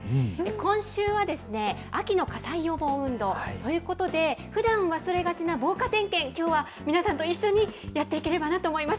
今週は、秋の火災予防運動ということで、ふだん忘れがちな防火点検、きょうは皆さんと一緒にやっていければなと思います。